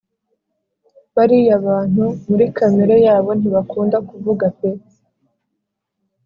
bariya bantu muri kamere yabo ntibakunda kuvuga pe